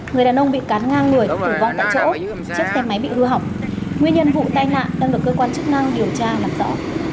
người đàn ông bị cát ngang người tử vong tại chỗ